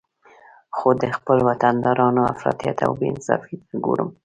خو د خپل وطندارانو افراطیت او بې انصافي ته ګورم